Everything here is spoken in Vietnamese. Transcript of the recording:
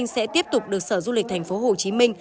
sẽ tiếp tục được sở du lịch tp hcm